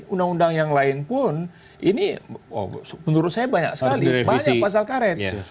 undang undang yang lain pun ini menurut saya banyak sekali banyak pasal karet